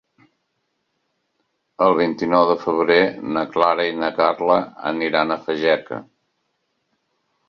El vint-i-nou de febrer na Clara i na Carla aniran a Fageca.